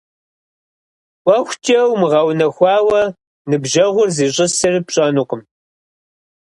ӀуэхукӀэ умыгъэунэхуауэ ныбжьэгъур зищӀысыр пщӀэнукъым.